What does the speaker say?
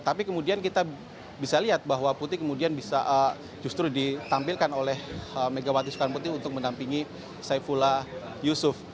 tapi kemudian kita bisa lihat bahwa putih kemudian bisa justru ditampilkan oleh megawati soekarno putih untuk menampingi saifullah yusuf